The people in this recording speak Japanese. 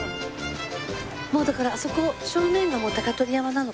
もうだからあそこ正面がもう鷹取山なのかな？